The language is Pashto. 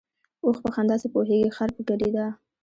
ـ اوښ په خندا څه پوهېږي ، خر په ګډېدا.